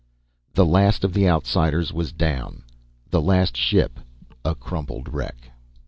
The last of the Outsiders was down, the last ship a crumpled wreck.